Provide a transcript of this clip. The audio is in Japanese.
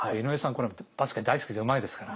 このバスケ大好きでうまいですから。